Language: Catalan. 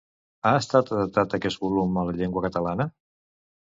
Ha estat adaptat aquest volum a la llengua catalana?